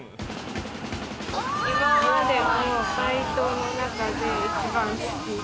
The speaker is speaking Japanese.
今までのバイトの中で一番好き。